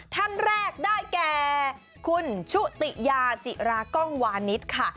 ท่านแรกได้แก่คุณชุติยาจิรากล้องวานิสค่ะ